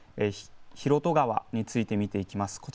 広渡川について見ていきます。